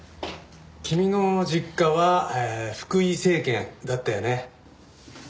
君の実家は福井精研だったよね。